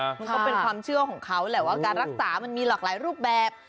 มันก็เป็นความเชื่อของเขาแหละว่าการรักษามันมีหลากหลายรูปแบบ